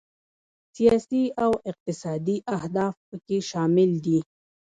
سیاسي او اقتصادي اهداف پکې شامل دي.